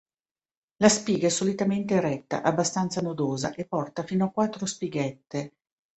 La spiga è solitamente eretta, abbastanza nodosa, e porta fino a quattro spighette.